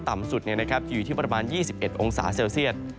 ต่ำสุดจะอยู่ที่ประมาณ๒๑องศาเซลเซียต